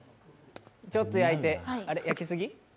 ちょっと焼いてあれっ、焼きすぎ？